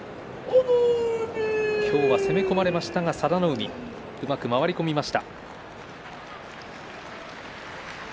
今日は攻め込まれましたが佐田の海うまく回り込みました。